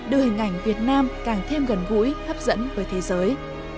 đưa hình ảnh việt nam càng thêm gần gũi hấp dẫn với thế giới